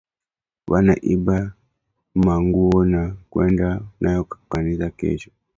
Bana iba ma nguwo ya kwenda nayo kukanisa kesho